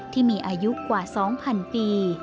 ที่มีอายุกว่า๒๐๐๐ปี